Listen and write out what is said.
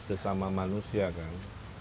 sesama manusia kan